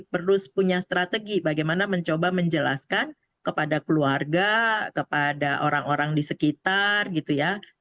perlu punya strategi bagaimana mencoba menjelaskan kepada keluarga kepada orang orang di sekitar gitu ya